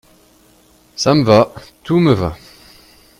Ca me va ! tout me va !